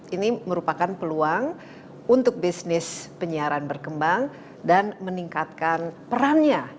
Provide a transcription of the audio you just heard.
ini merupakan peluang untuk bisnis penyiaran berkembang dan meningkatkan perannya